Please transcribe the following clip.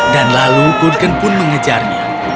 dan lalu kurgen pun mengejarnya